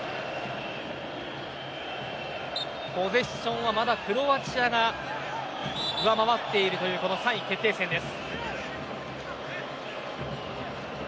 ポゼッションはまだクロアチアが上回っている３位決定戦です。